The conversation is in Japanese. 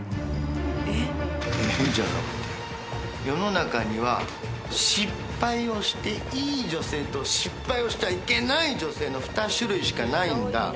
世の中には失敗をしていい女性と失敗をしてはいけない女性の２種類しかないんだ。